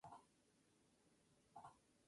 Habita en Java y Malaya.